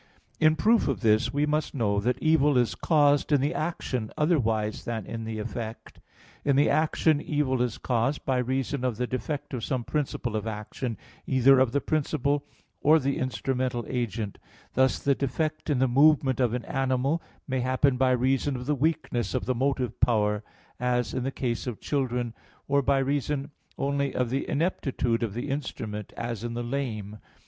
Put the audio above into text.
In proof of this, we must know that evil is caused in the action otherwise than in the effect. In the action evil is caused by reason of the defect of some principle of action, either of the principal or the instrumental agent; thus the defect in the movement of an animal may happen by reason of the weakness of the motive power, as in the case of children, or by reason only of the ineptitude of the instrument, as in the lame.